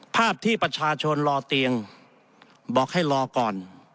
ภาพที่ประชาชนรอเตียงบอกให้รอก่อน